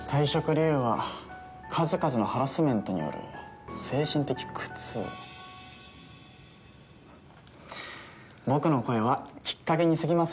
理由は数々のハラスメントによる精神的苦痛僕の声はきっかけにすぎませんよ